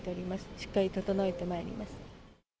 しっかり整えてまいります。